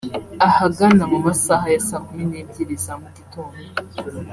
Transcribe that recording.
Ahagana mu masaha ya saa kumi n’ebyiri za mu gitondo